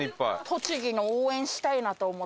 栃木の応援したいなと思って。